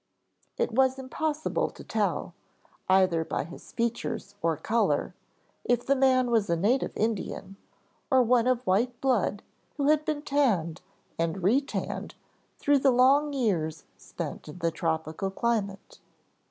It was impossible to tell, either by his features or color if the man was a native Indian or one of white blood who had been tanned and re tanned through the long years spent in the tropical climate.